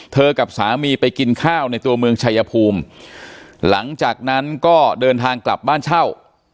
กับสามีไปกินข้าวในตัวเมืองชายภูมิหลังจากนั้นก็เดินทางกลับบ้านเช่า